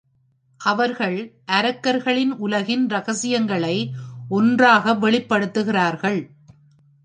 அவர்கள் அரக்கர்களின் உலகின் ரகசியங்களை ஒன்றாக வெளிப்படுத்துகிறார்கள்.